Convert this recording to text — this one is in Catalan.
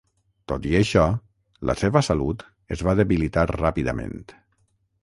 Tot i això, la seva salut es va debilitar ràpidament.